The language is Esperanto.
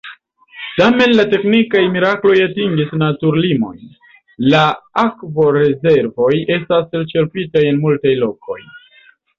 Tamen la teknikaj mirakloj atingis naturlimojn – la akvorezervoj estas elĉerpitaj en multaj lokoj.